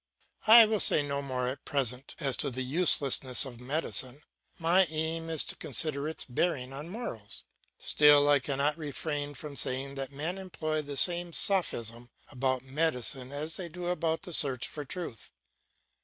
I will say no more at present as to the uselessness of medicine. My aim is to consider its bearings on morals. Still I cannot refrain from saying that men employ the same sophism about medicine as they do about the search for truth.